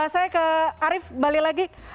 saya ke arief balik lagi